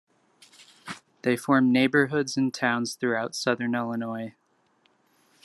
They formed neighborhoods in towns throughout Southern Illinois.